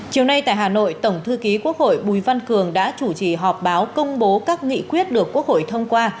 chiều nay tại hà nội tổng thư ký quốc hội bùi văn cường đã chủ trì họp báo công bố các nghị quyết được quốc hội thông qua